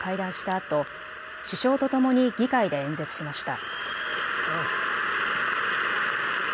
あと首相とともに議会で演説しました。